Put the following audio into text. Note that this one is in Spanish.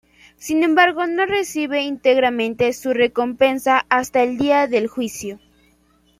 Sin embargo, no recibe íntegramente su recompensa hasta el Día del Juicio.